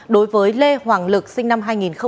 đối với lê hoàng lực sinh năm hai nghìn